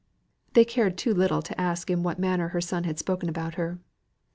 They cared too little to ask in what manner her son had spoken about her.